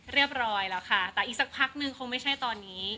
เรียบร้อยแล้วค่ะแต่อีกสักพักนึงคงไม่ใช่ตอนนี้